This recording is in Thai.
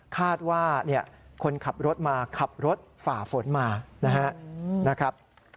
คาดว่าคนขับรถมาขับรถฝ่าฝนมานะครับ